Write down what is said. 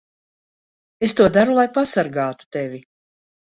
Es to daru, lai pasargātu tevi.